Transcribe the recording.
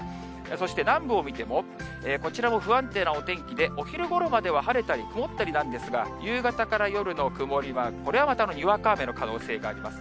そして南部を見ても、こちらも不安定なお天気で、お昼ごろまでは晴れたり曇ったりなんですが、夕方から夜の曇りマーク、これはまたにわか雨の可能性があります。